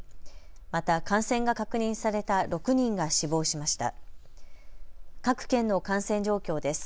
また感染が確認された６人が死亡しました。